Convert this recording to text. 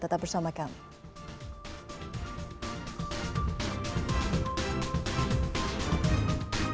tetap bersama kami